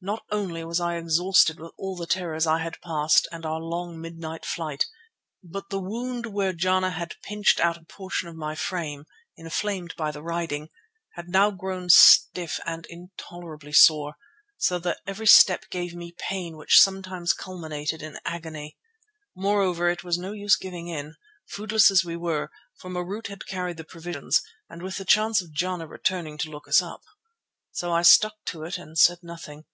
Not only was I exhausted with all the terrors I had passed and our long midnight flight, but the wound where Jana had pinched out a portion of my frame, inflamed by the riding, had now grown stiff and intolerably sore, so that every step gave me pain which sometimes culminated in agony. Moreover, it was no use giving in, foodless as we were, for Marût had carried the provisions, and with the chance of Jana returning to look us up. So I stuck to it and said nothing.